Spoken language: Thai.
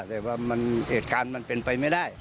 แต่ว่าเหตุการณ์มันเป็นไปไม่ได้